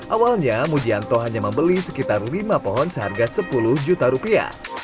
awalnya mujianto hanya membeli sekitar lima pohon seharga sepuluh juta rupiah